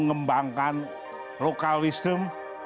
untuk mengembangkan lokalisme